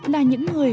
là những người